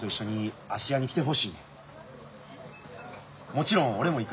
もちろん俺も行く。